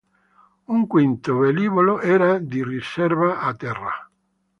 Un quinto velivolo era di riserva a terra.